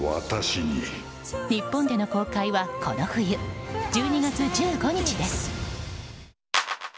日本での公開はこの冬１２月１５日です。